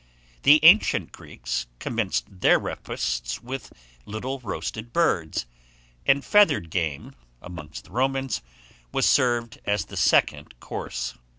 The ancient Greeks commenced their repasts with little roasted birds; and feathered game, amongst the Romans, was served as the second course.